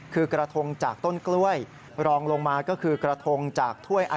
คือกระทงจากต้นกล้วย